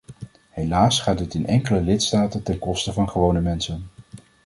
Helaas gaat dit in enkele lidstaten ten koste van gewone mensen.